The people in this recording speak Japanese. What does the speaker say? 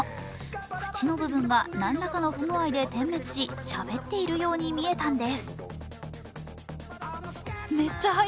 口の部分が何らかの不具合で点滅し、しゃべっているように見えたんです。